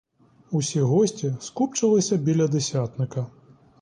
Усі гості скупчилися біля десятника.